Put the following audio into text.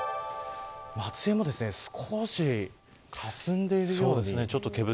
松江も少しかすんでいるようですね。